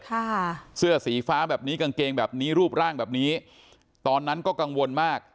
ค่ะเสื้อสีฟ้าแบบนี้กางเกงแบบนี้รูปร่างแบบนี้ตอนนั้นก็กังวลมาก